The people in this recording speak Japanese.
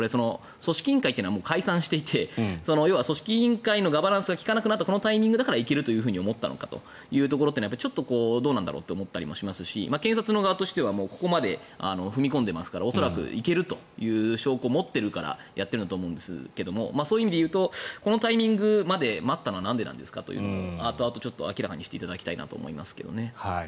組織委員会は解散していて組織委員会のガバナンスが利かなくなったこのタイミングだから行けると思ったのかというところはちょっとどうなのかなと思ったりしますし警察としてはここまで踏み込んでいますから恐らくいけるという証拠を持っているからやっていると思いますがそういう意味で言うとこのタイミングまで待ったのはなんでですかと明らかにしていただきたいと思いますけどね。